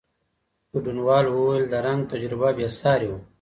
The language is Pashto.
ګډونوالو وویل، د رنګ تجربه بېساري وه.